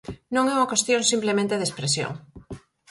Non é unha cuestión simplemente de expresión.